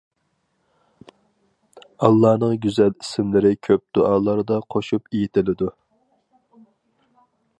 ئاللانىڭ گۈزەل ئىسىملىرى كۆپ دۇئالاردا قوشۇپ ئېيتىلىدۇ.